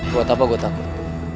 buat apa gue takut